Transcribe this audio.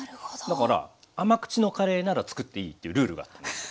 だから甘口のカレーなら作っていいっていうルールがあったんです。